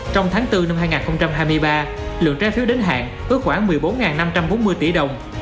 trong tháng bốn năm hai nghìn hai mươi ba lượng trái phiếu đến hạn ước khoảng một mươi bốn năm trăm bốn mươi tỷ đồng